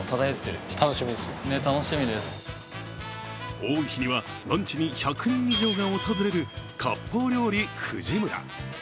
多い日にはランチに１００人以上が訪れる割烹料理ふじむら。